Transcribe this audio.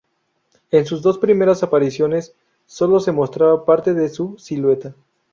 En sus dos primeras apariciones sólo se mostraba parte de su silueta.